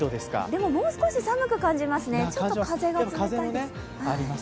もう少し寒く感じますね、ちょっと風が冷たいです。